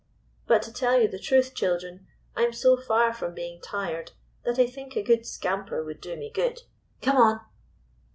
But, to tell you the truth, children, I 'm so far from being tired that I think a good scamper would do me good. Come on